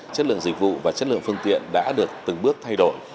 chất lượng dịch vụ và chất lượng phương tiện đã được từng bước thay đổi